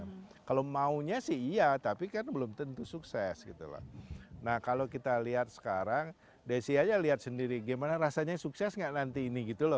nah kalau maunya sih iya tapi kan belum tentu sukses gitu loh nah kalau kita lihat sekarang desi aja lihat sendiri gimana rasanya sukses nggak nanti ini gitu loh